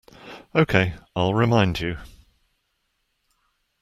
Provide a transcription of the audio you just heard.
Okay, I'll remind you.